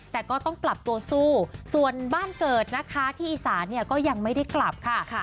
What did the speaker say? แต่ก็ต้องปรับตัวสู้ส่วนบ้านเกิดนะคะที่อีสานเนี่ยก็ยังไม่ได้กลับค่ะ